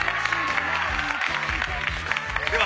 では